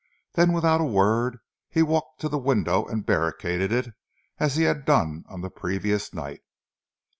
Then without a word he walked to the window and barricaded it as he had done on the previous night.